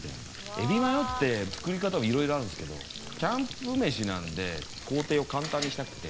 エビマヨって、作り方もいろいろあるんですけどキャンプ飯なので工程を簡単にしたくて。